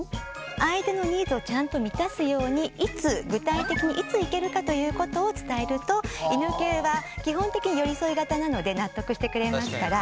相手のニーズをちゃんと満たすようにいつ具体的にいつ行けるかということを伝えると犬系は基本的に寄り添い型なので納得してくれますから。